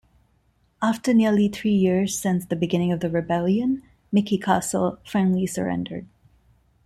After nearly three years since the beginning of the rebellion, Miki castle finally surrendered.